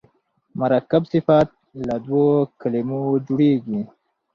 مرکب صفت له دوو کلمو جوړیږي.